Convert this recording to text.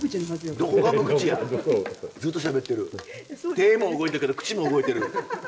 手も動いてるけど口も動いてる。